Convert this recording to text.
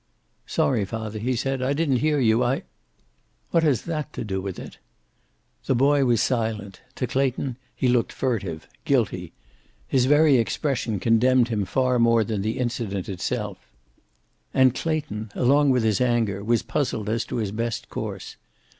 "Sorry, father," he said. "I didn't hear you. I " "What has that to do with it?" The boy was silent. To Clayton he looked furtive, guilty. His very expression condemned him far more than the incident itself. And Clayton, along with his anger, was puzzled as to his best course.